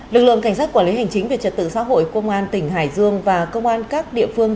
lực lượng cảnh sát quản lý hành chính về trật tự xã hội công an tỉnh hải dương và công an các địa phương